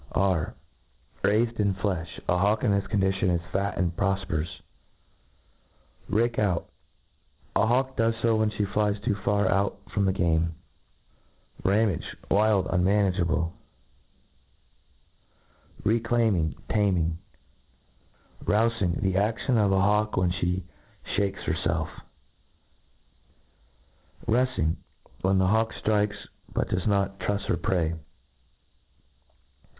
R Raifed in flefii ; a hawk in this condition is fat and profpers Rake out ; a hawk does fo whenftie flies too far out from the game Ramagc ; wild, unmanageable Reclaiming J taniing ,' Roufingj the afltion ofa hawk'whcnflie fhakes herfelf ' Ruifing } when the hawk ftrikes, but does not trufs her prey.